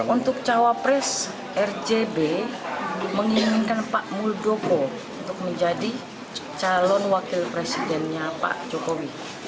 untuk cawapres rjb menginginkan pak muldoko untuk menjadi calon wakil presidennya pak jokowi